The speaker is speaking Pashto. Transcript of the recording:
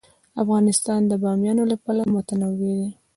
افغانستان د بامیان له پلوه متنوع دی.